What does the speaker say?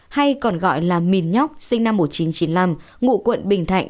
hay còn gọi là mìn nhóc sinh năm một nghìn chín trăm chín mươi năm ngụ quận bình thạnh